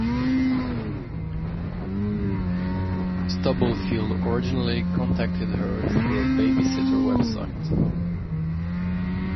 Stubblefield originally contacted her through a babysitter website.